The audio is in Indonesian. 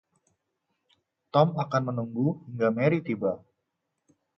Tom akan menunggu hingga Mary tiba.